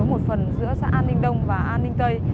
một phần giữa xã an ninh đông và an ninh tây